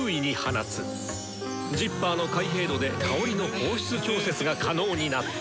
ジッパーの開閉度で香りの放出調節が可能になった！